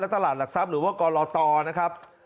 ตลาดหลักทรัพย์หรือว่ากรตนะครับ